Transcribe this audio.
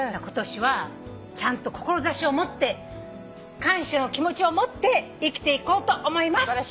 今年はちゃんと志を持って感謝の気持ちを持って生きていこうと思います。